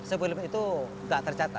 sebelum itu gak tercatat